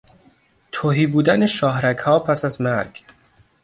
تهی بودن شاهرگها پس از مرگ